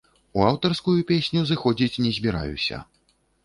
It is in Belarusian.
У аўтарскую песню зыходзіць не збіраюся.